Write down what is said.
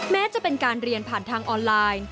แม้จะเป็นการเรียนผ่านทางออนไลน์